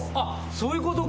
そういうことか。